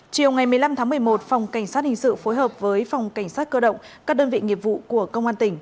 chiều ngày một mươi năm tháng một mươi một phòng cảnh sát hình sự phối hợp với phòng cảnh sát cơ động các đơn vị nghiệp vụ của công an tỉnh